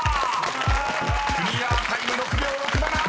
［クリアタイム６秒６７］